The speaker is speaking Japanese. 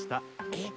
えっ？